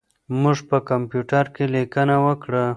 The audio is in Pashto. موږ په کمپیوټر کې لیکنه وکړه.